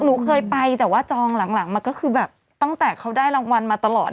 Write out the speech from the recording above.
หนูเคยไปแต่ว่าจองหลังมาก็คือแบบตั้งแต่เขาได้รางวัลมาตลอด